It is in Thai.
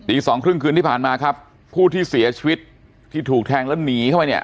อีกสองครึ่งคืนที่ผ่านมาครับผู้ที่เสียชีวิตที่ถูกแทงแล้วหนีเข้าไปเนี่ย